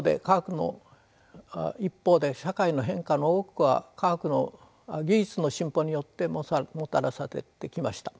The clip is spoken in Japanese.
一方で社会の変化の多くは技術の進歩によってもたらされてきました。